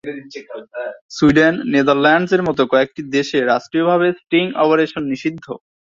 Sweden, নেদারল্যান্ডসের মতো কয়েকটি দেশে রাষ্ট্রীয়ভাবে স্টিং অপারেশন নিষিদ্ধ।